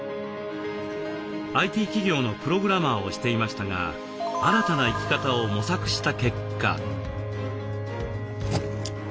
ＩＴ企業のプログラマーをしていましたが新たな生き方を模索した結果。